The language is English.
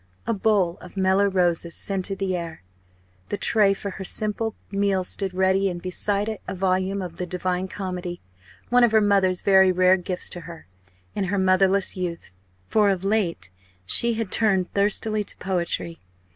A bowl of Mellor roses scented the air; the tray for her simple meal stood ready, and beside it a volume of "The Divine Comedy," one of her mother's very rare gifts to her, in her motherless youth for of late she had turned thirstily to poetry.